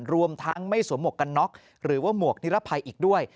รวมทั้งไม่สวมหมวกกันน็อกหรือว่าหมวกนิรภัยอีกด้วย